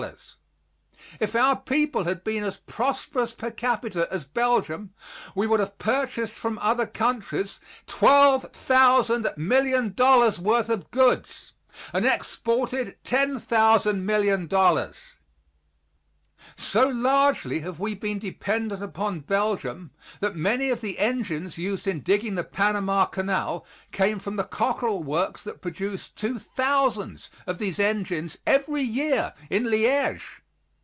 If our people had been as prosperous per capita as Belgium, we would have purchased from other countries $12,000,000,000 worth of goods and exported $10,000,000,000. So largely have we been dependent upon Belgium that many of the engines used in digging the Panama Canal came from the Cockerill works that produce two thousands of these engines every year in Liege.